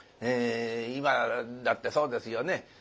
今だってそうですよね